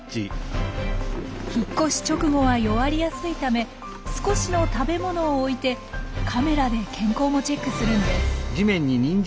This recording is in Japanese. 引っ越し直後は弱りやすいため少しの食べ物を置いてカメラで健康もチェックするんです。